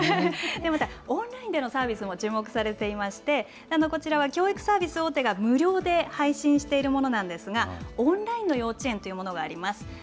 また、オンラインでのサービスも注目されていまして、こちらは教育サービス大手が無料で配信しているものなんですが、オンラインの幼稚園というものがあります。